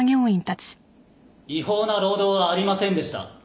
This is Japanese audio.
違法な労働はありませんでした。